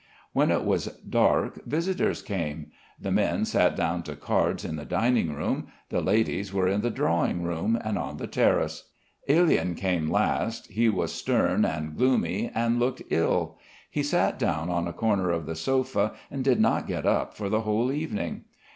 When it was dark visitors came. The men sat down to cards in the dining room, the ladies were in the drawing room and on the terrace. Ilyin came last, he was stem and gloomy and looked ill. He sat down on a corner of the sofa and did not get up for the whole evening.